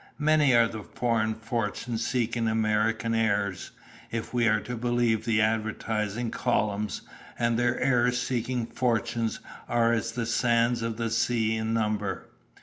Many are the foreign fortunes seeking American heirs, if we are to believe the advertising columns, and the heirs seeking fortunes are as the sands of the sea in number.